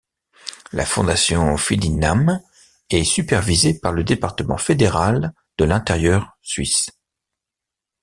La Fondation Fidinam est supervisée par le Département Fédéral de l'Intérieur Suisse.